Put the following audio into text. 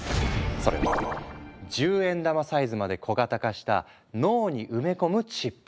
それは１０円玉サイズまで小型化した脳に埋め込むチップ。